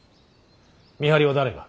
見張りは誰が。